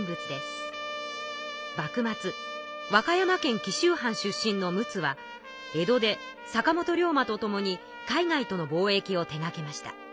紀州藩出身の陸奥は江戸で坂本龍馬と共に海外との貿易を手がけました。